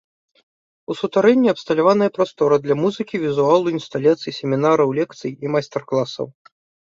У сутарэнні абсталяваная прастора для для музыкі, візуалу, інсталяцый, семінараў, лекцый і майстар-класаў.